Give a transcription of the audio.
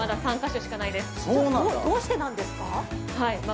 どうしてなんですか？